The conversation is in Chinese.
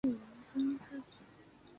慕容忠之子。